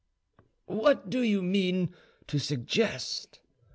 "What do you mean to suggest?"